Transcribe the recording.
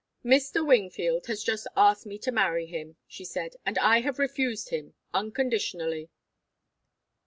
"Mr. Wingfield has just asked me to marry him," she said. "And I have refused him unconditionally."